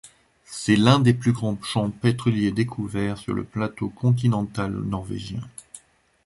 C'est l'un des plus grands champs pétroliers découverts sur le plateau continental norvégien.